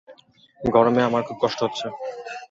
গরমে আমার খুব কষ্ট হচ্ছে।